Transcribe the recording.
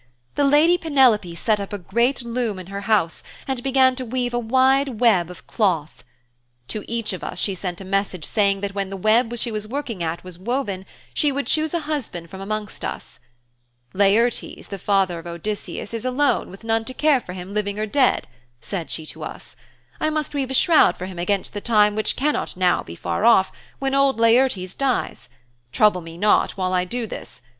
The lady Penelope set up a great loom in her house and began to weave a wide web of cloth. To each of us she sent a message saying that when the web she was working at was woven, she would choose a husband from amongst us. "Laertes, the father of Odysseus, is alone with none to care for him living or dead," said she to us. "I must weave a shroud for him against the time which cannot now be far off when old Laertes dies. Trouble me not while I do this.